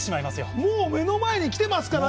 もう目の前に来てますから。